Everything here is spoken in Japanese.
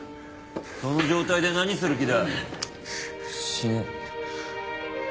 その状態で何する気だ？死ね。